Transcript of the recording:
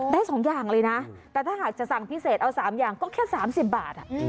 ได้๒อย่างเลยนะแต่ถ้าหากจะสั่งพิเศษเอา๓อย่างก็แค่๓๐บาท